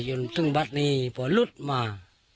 จนถึงบัตรนี้พอหลุดมา